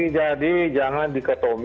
jadi jangan diketomik